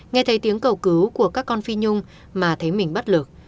nghe thấy tiếng cầu cứu của các con phi nhung mà thấy mình bất lực